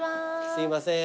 すいません。